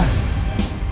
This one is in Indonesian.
aku kasih ini buat andien